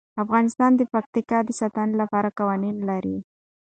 افغانستان د پکتیکا د ساتنې لپاره قوانین لري.